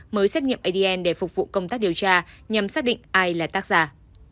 mới xét nghiệm adn để phục vụ công tác điều tra nhằm xác định ai là tác giả